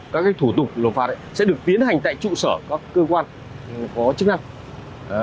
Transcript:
các thủ tục nộp phạt sẽ được tiến hành tại trụ sở các cơ quan có chức năng